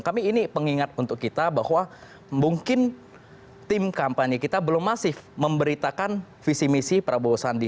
kami ini pengingat untuk kita bahwa mungkin tim kampanye kita belum masif memberitakan visi misi prabowo sandi